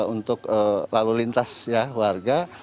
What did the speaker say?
untuk lalu lintas ya warga